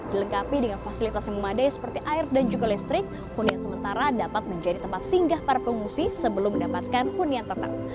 dilengkapi dengan fasilitas yang memadai seperti air dan juga listrik hunian sementara dapat menjadi tempat singgah para pengungsi sebelum mendapatkan hunian tetap